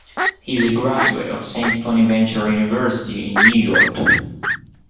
He is a graduate of Saint Bonaventure University in New York.